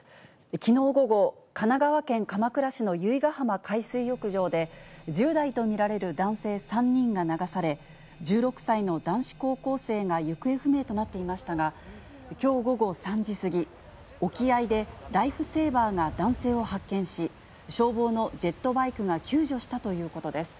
きのう午後、神奈川県鎌倉市の由比ガ浜海水浴場で１０代と見られる男性３人が流され、１６歳の男子高校生が行方不明となっていましたが、きょう午後３時過ぎ、沖合でライフセーバーが男性を発見し、消防のジェットバイクが救助したということです。